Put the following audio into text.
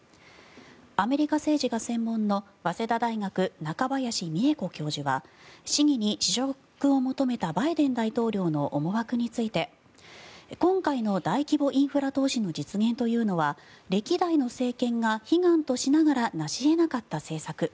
アメリカ政治が専門の早稲田大学、中林美恵子教授は市議に辞職を求めたバイデン大統領の思惑について今回の大規模インフラ投資の実現というのは歴代の政権が悲願としながら成し得なかった政策。